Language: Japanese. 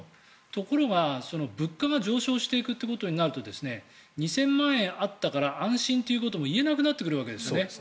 ところがその物価が上昇していくということになると２０００万円あったから安心ということも言えなくなってくるわけですね。